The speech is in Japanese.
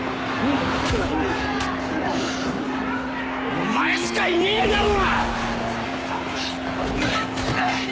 お前しかいねえだろ！